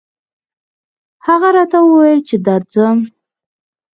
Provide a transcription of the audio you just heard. هغه راته وويل چې درځم